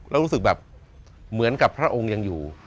แล้วรู้สึกแบบเหมือนกับพระองค์ยังอยู่